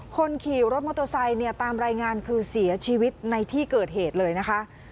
คนขี่รถมอเตอร์ไซค์เนี่ยตามรายงานคือเสียชีวิตในที่เกิดเหตุเลยนะคะ